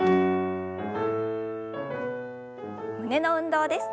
胸の運動です。